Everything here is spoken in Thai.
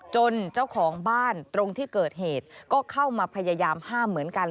เจ้าของบ้านตรงที่เกิดเหตุก็เข้ามาพยายามห้ามเหมือนกัน